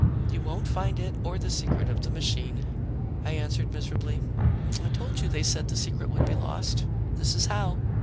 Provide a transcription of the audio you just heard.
"You won't find it or the secret of the machine," I answered miserably. "I told you they said the secret would be lost. This is how.